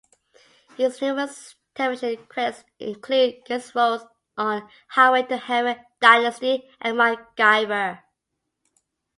His numerous television credits include guest roles on "Highway to Heaven", "Dynasty" and "MacGyver".